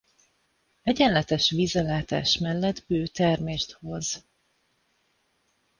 Egyenletes vízellátás mellett bő termést hoz.